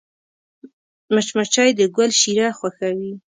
مچمچۍ د ګل شیره خوښوي